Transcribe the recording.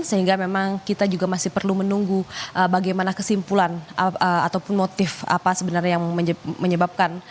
sehingga memang kita juga masih perlu menunggu bagaimana kesimpulan ataupun motif apa sebenarnya yang menyebabkan